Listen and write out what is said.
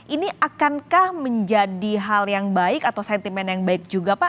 ini akankah menjadi hal yang baik atau sentimen yang baik juga pak